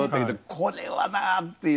「これはな」っていう。